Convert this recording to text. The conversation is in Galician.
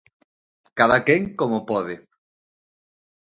Cadaquén como pode.